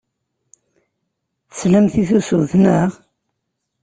Teslamt i tusut, naɣ?